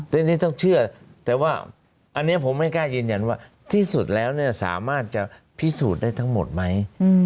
ทีนี้ต้องเชื่อแต่ว่าอันนี้ผมไม่กล้ายืนยันว่าที่สุดแล้วสามารถจะพิสูจน์ได้ทั้งหมดไหม